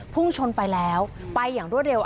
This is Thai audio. พุ่งชนไปแล้วไปอย่างรวดเร็ว